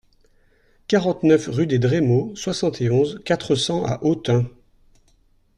quarante-neuf rue des Drémeaux, soixante et onze, quatre cents à Autun